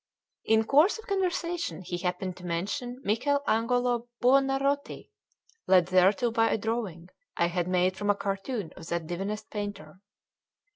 In course of conversation he happened to mention Michel Agnolo Buonarroti, led thereto by a drawing I had made from a cartoon of that divinest painter.